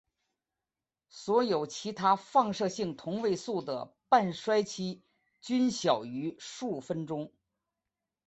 所有其他放射性同位素的半衰期均小于数分钟。